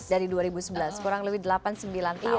dari dua ribu sebelas kurang lebih delapan sembilan tahun mungkin ya